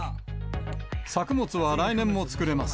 作物は来年も作れます。